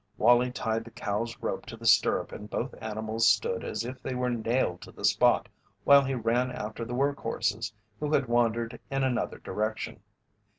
Wallie tied the cow's rope to the stirrup and both animals stood as if they were nailed to the spot while he ran after the work horses, who had wandered in another direction.